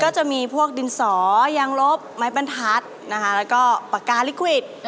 ก็จะมีพวกดินสอยางรบไม้เป็นทัชแล้วก็ปากกาลิกวิท